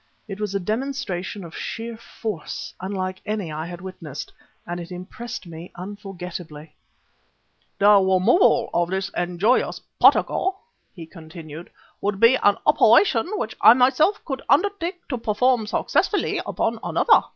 It was a demonstration of sheer Force unlike any I had witnessed, and it impressed me unforgettably. "The removal of this injurious particle," he continued, "would be an operation which I myself could undertake to perform successfully upon another.